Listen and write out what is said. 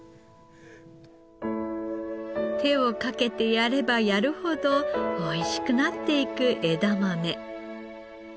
手をかけてやればやるほどおいしくなっていく枝豆。